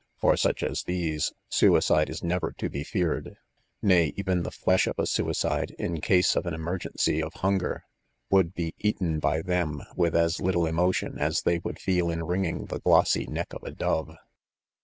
For snc?i as these, suicide is never to be. feared* Nay, even the flesh of a suicide, in. case of an emergency m hanger, would be eaten by them "with as little emotion as they would feel in •wringing tine glossy neck of a dove..